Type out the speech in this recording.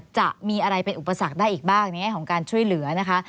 จะมีอะไรเป็นอุปสรรคได้อีกบ้างในแง่ของการช่วยเหลือนะคะ